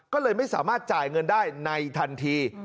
ก็เลยไม่สามารถจ่ายเงินได้ในทันที